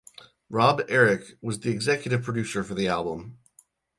Rob Eric was the executive producer for the album.